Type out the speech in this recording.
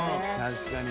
確かに。